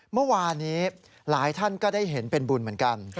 เมื่อวานนี้หลายท่านก็ได้เห็นเป็นบุญเหมือนกัน